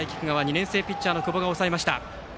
年生ピッチャーの久保が抑えた。